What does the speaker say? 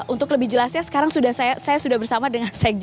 untuk lebih jelasnya sekarang saya sudah bersama dengan sekjen